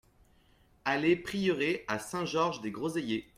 Allée Prieuré à Saint-Georges-des-Groseillers